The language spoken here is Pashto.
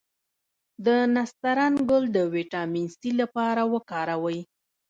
د نسترن ګل د ویټامین سي لپاره وکاروئ